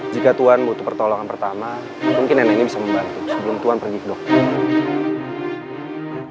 jika tuhan butuh pertolongan pertama mungkin nenek ini bisa membantu sebelum tuhan pergi ke dokter